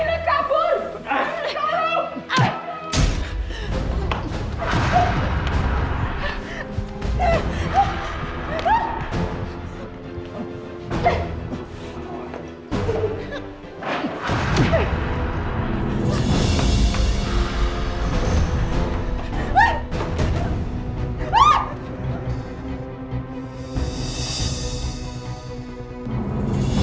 udah nanti times